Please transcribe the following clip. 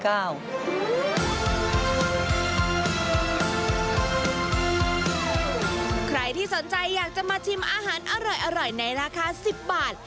ใครที่สนใจอยากจะมาชิมอาหารอร่อยในราคา๑๐บาท